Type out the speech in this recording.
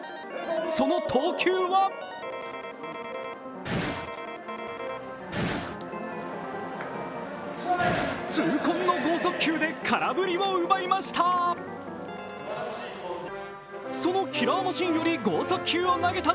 その投球は痛恨の剛速球で空振りを奪いました。